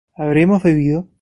¿habremos bebido?